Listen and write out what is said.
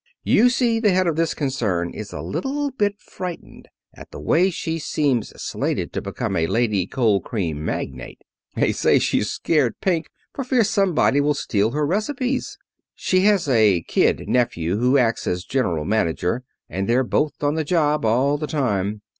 You see the head of this concern is a little bit frightened at the way she seems slated to become a lady cold cream magnate. They say she's scared pink for fear somebody will steal her recipes. She has a kid nephew who acts as general manager, and they're both on the job all the time.